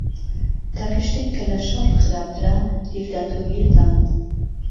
تاکه شتێک که له شهڕ خراپتره دیکتاتۆریهته